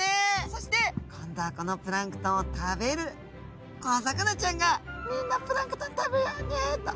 そして今度はこのプランクトンを食べる小魚ちゃんが「みんなプランクトン食べようね」と。